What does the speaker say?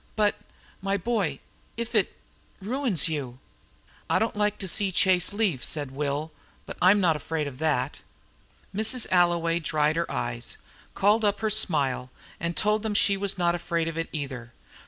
"But, my boy if it ruins you!" "I don't like to see Chase leave us," said Will, "but I'm not afraid of that." Mrs. Alloway dried her eyes, called up her smile, and told them she was not afraid of it either.